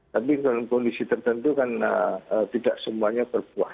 tapi dalam kondisi tertentu kan tidak semuanya berbuah